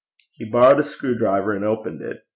He borrowed a screwdriver and opened it.